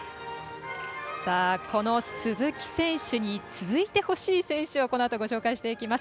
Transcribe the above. この鈴木選手に続いてほしい選手をこのあと、ご紹介していきます。